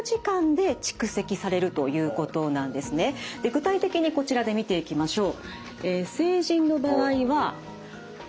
具体的にこちらで見ていきましょう。